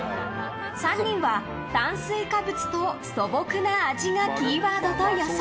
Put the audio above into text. ３人は、炭水化物と素朴な味がキーワードと予想。